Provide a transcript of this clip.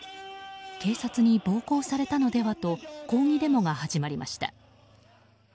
警察に暴行されたのではと抗議デモが始まりました。